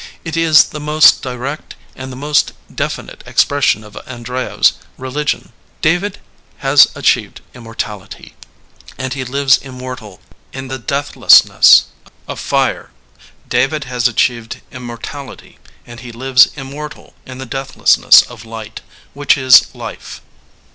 It is the most direct and the most definite expression of Andreyev's religion. ''David has achieved immortality, and he lives immortal in the deathlessness of fire. David has achieved immortality, and he lives immortal in the deathlessness of light which is life.'